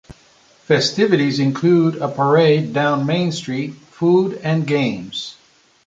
Festivities include a parade down Main Street, food, and games.